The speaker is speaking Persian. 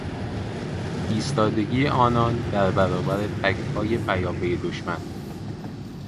ایستادگی آنان در برابر تکهای پیاپی دشمن